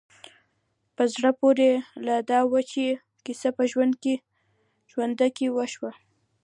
په زړه پورې لا دا وه چې کيسه په ژرنده کې وشوه.